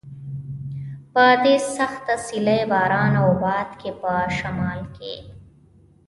په دې سخته سیلۍ، باران او باد کې په شمال کې.